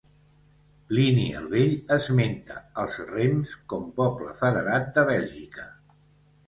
Plini el Vell esmenta els rems com poble federat de Bèlgica.